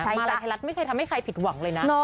มาลัยไทยรัฐไม่เคยทำให้ใครผิดหวังเลยนะ